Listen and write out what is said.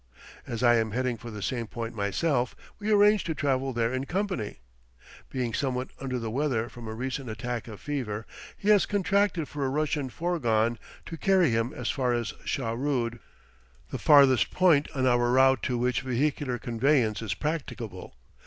As I am heading for the same point myself, we arrange to travel there in company. Being somewhat under the weather from a recent attack of fever, he has contracted for a Russian fourgon to carry him as far as Shahrood, the farthest point on our route to which vehicular conveyance is practicable.